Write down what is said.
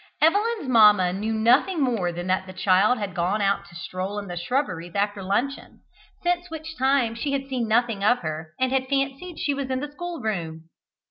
Evelyn's mamma knew nothing more than that the child had gone out to stroll in the shrubberies after luncheon, since which time she had seen nothing of her, and had fancied she was in the school room.